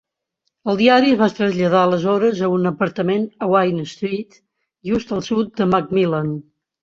El diari es va traslladar aleshores a un apartament a Vine Street, just al sud de McMillan.